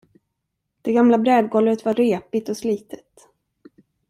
Det gamla brädgolvet var repigt och slitet.